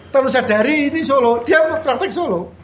kalau sehari hari ini solo dia praktek solo